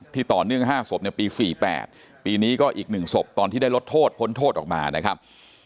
ต่อเนื่อง๕ศพในปี๔๘ปีนี้ก็อีก๑ศพตอนที่ได้ลดโทษพ้นโทษออกมานะครับ